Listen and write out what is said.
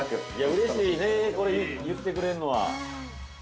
◆うれしいね、これ言ってくれるのは。